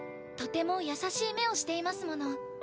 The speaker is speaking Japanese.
とても優しい目をしていますもの。